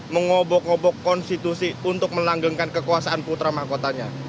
mengobok ngobok konstitusi untuk melanggengkan kekuasaan putra mahkotanya